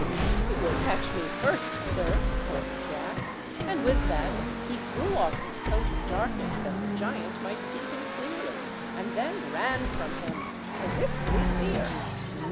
"You will catch me first, sir," quoth Jack, and with that he threw off his coat of darkness that the giant might see him clearly, and then ran from him, as if through fear.